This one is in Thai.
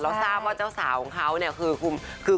แล้วทราบว่าเจ้าสาวของเค้าคือ